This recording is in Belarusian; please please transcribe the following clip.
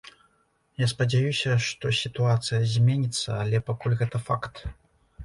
Я спадзяюся, што сітуацыя зменіцца, але пакуль гэта факт.